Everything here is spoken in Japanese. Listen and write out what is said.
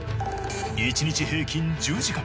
１日平均１０時間。